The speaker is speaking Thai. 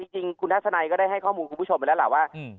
จริงคุณทัศนัยก็ได้ให้ข้อมูลคุณผู้ชมไปแล้วล่ะว่า